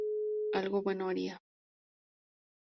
Algo bueno haría.